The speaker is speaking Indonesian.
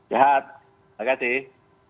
ya terima kasih